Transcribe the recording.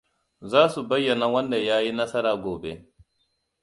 Za su bayyana wanda ya yi nasara gobe.